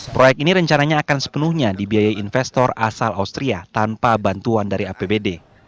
proyek ini rencananya akan sepenuhnya dibiayai investor asal austria tanpa bantuan dari apbd